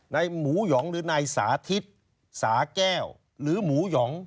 หมูหยองหรือนายสาธิตสาแก้วหรือหมูหยอง